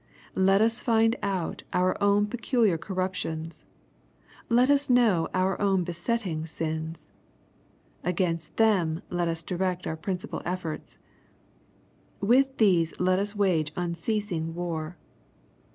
Let us find out our own peculiar corruptions. Let us know our own besetting Bins. Against them let us direct our principal efforts. "With these let us wage unceasing war.